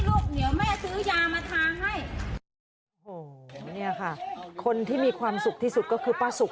โอ้นี่ค่ะคนที่มีความสุขที่สุดก็คือป้าสุข